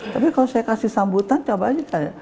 tapi kalo saya kasih sambutan coba aja